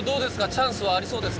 チャンスはありそうですか？